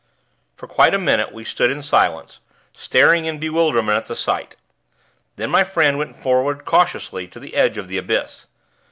For quite a minute we stood in silence, staring in bewilderment at the sight; then my friend went forward cautiously to the edge of the abyss.